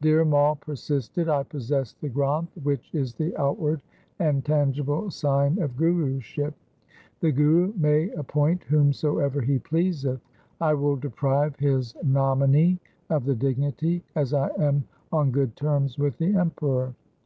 Dhir Mai persisted, ' I possess the Granth, which is the outward and tangible sign of Guruship. The Guru may appoint whomsoever he pleaseth. I will deprive his nominee of the dignity, as I am on good terms with the Emperor.